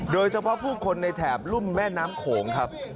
โดยเฉพาะผู้คนในแถบรุ่มแม่น้ำโขงครับ